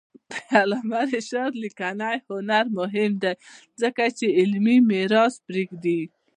د علامه رشاد لیکنی هنر مهم دی ځکه چې علمي میراث پرېږدي.